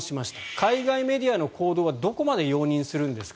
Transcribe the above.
海外メディアの行動はどこまで容認するんですか。